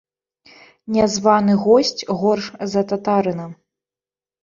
Нязваны госць горш за татарына.